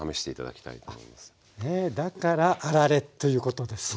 ねえだからあられということですね。